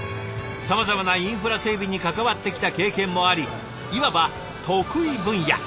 さまざまなインフラ整備に関わってきた経験もありいわば得意分野。